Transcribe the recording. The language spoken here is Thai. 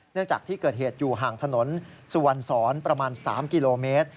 จากที่เกิดเหตุอยู่ห่างถนนสุวรรณสอนประมาณ๓กิโลเมตร